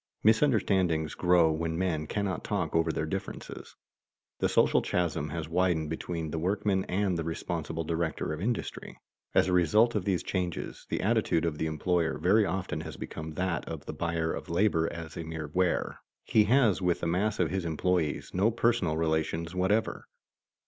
Misunderstandings grow when men cannot talk over their differences. The social chasm has widened between the workmen and the responsible director of industry. As a result of these changes, the attitude of the employer very often has become that of the buyer of labor as a mere ware. He has with the mass of his employees no personal relations whatever.